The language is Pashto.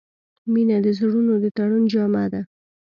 • مینه د زړونو د تړون جامه ده.